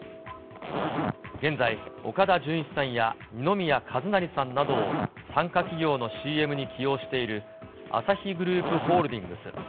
現在、岡田准一さんや二宮和也さんなどを傘下企業のＣＭに起用しているアサヒグループホールディングス。